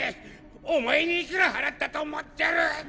お前にいくら払ったと思ってる！